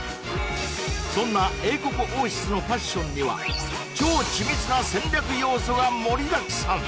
そんな英国王室のファッションには超緻密な戦略要素が盛りだくさん